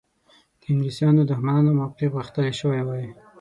د انګلیسیانو دښمنانو موقف غښتلی شوی وای.